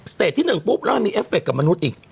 เตจที่๑ปุ๊บแล้วมันมีเอฟเคกับมนุษย์อีก